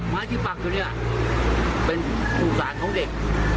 ไม้ที่ปากตรงเนี้ยเป็นสู่สารของเด็ก